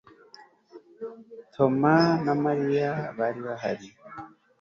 Tom na Mariya bari bahari